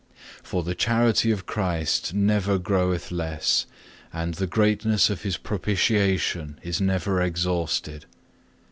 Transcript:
For the charity of Christ never groweth less, and the greatness of His propitiation is never exhausted.